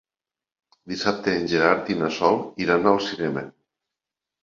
Dissabte en Gerard i na Sol iran al cinema.